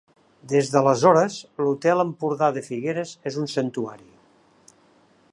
Des d'aleshores, l'Hotel Empordà de Figueres és un santuari.